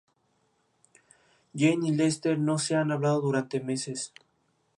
Jane y Lester no se han hablado durante meses.